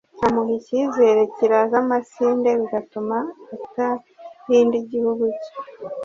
amuha icyizere kiraza amasinde bigatuma atarinda igihugu cye